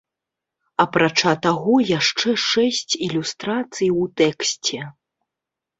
Апрача таго, яшчэ шэсць ілюстрацый у тэксце.